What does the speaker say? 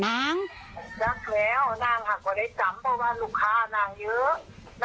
รักแล้วน่ารักกว่าได้จำเพราะว่าลูกค้านางเยอะ